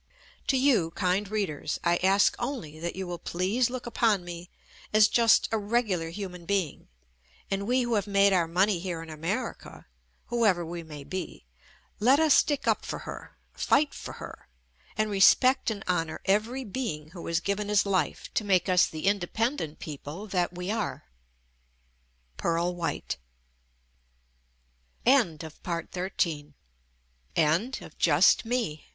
To you, kind readers, I ask only that you will please look upon me as just "a regular human being," and we who have made our money here in America (who ever we may be) , let us stick up for her, fight for her, and respect and honor every being who has given his life to make us the independent people that we are.